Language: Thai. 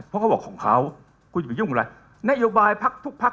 เพราะเขาบอกของเขาคุณจะไปยุ่งอะไรนโยบายพักทุกพัก